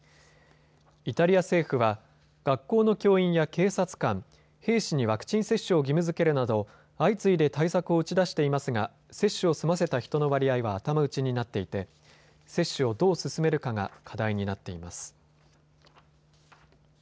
イタリア政府は学校の教員や警察官、兵士にワクチン接種を義務づけるなど相次いで対策を打ち出していますが接種を済ませた人の割合は頭打ちになっていて接種をどう進めるかが課題になっています。